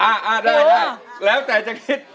อ่าได้แล้วแต่จะคิด